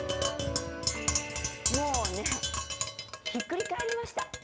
もうねひっくり返りました。